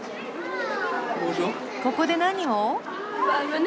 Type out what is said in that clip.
ここで何を？